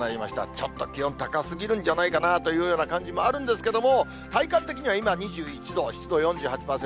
ちょっと気温、高すぎるんじゃないかなという感じもあるんですけど、体感的には今、２１度、湿度４８％。